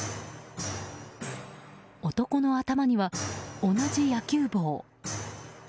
男の頭には同じ野球帽。